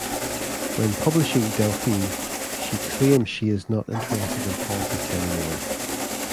When publishing "Delphine", she claims she is not interested in politics any more.